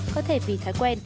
có thể vì thói quen